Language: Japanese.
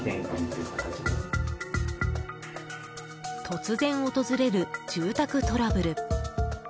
突然、訪れる住宅トラブル。